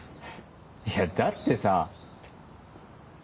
いやだってさ